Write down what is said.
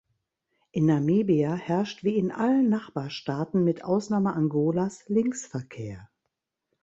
In Namibia herrscht wie in allen Nachbarstaaten mit Ausnahme Angolas Linksverkehr.